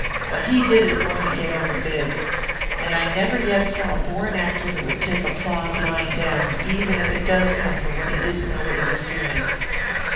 What he did is going to get over big. And I never yet saw a born actor that would take applause lying down, even if it does come for what he didn't know he was doing.